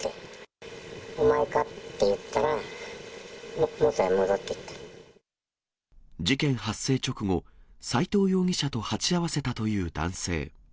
お前か？って言ったら、もとへ戻事件発生直後、斎藤容疑者と鉢合わせたという男性。